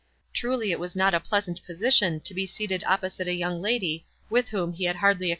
Truly it was not a pleasant position to be seated oppo site a young lady with whom he had hardly ex WISE AND OTHERWISE.